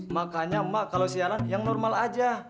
makanya mak kalau siaran yang normal aja